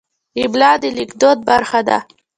املا د لیکدود برخه ده.